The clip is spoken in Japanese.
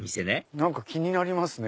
何か気になりますね